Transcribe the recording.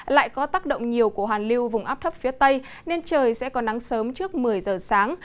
lại có tác động nhiều của hoàn lưu vùng áp thấp phía tây nên trời sẽ còn nắng sớm trước một mươi giờ sáng